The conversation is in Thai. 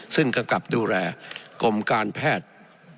ซึ่งกำกับดูแลกรมการแพทย์